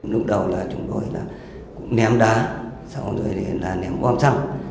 lúc đầu là chúng tôi cũng ném đá sau đó là ném bom xăng